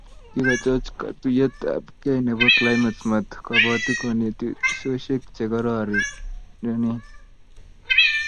Kikokoch katuiyeyabkei nebo Climate Smart kobotik konetisiosek che kororonen